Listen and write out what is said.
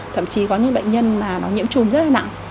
thậm chí có những bệnh nhân mà nó nhiễm trùng rất là nặng